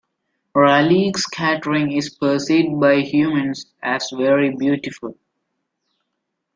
Raleigh scattering is perceived by humans as very beautiful.